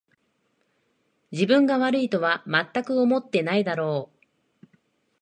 自分が悪いとはまったく思ってないだろう